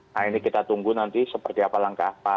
nah ini kita tunggu nanti seperti apa langkah pak